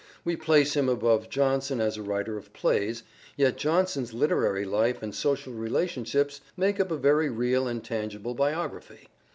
We place him above Jonson as a writer of plays, yet Jonson's literary life and social relationships make up a very real and tangible biography.